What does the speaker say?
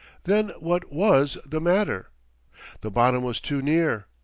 Then what was the matter? The bottom was too near!